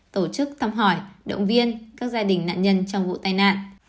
tổ chức thăm hỏi động viên các gia đình nạn nhân trong vụ tai nạn